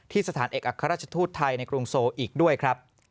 ที่สถานเอกอัฆราชทุทธิ์ไทยในกรุงโซว์อีกด้วยครับ